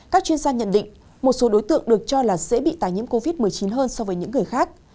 các chuyên gia nhận định một số đối tượng được cho là sẽ bị tài nhiễm covid một mươi chín hơn so với những người khác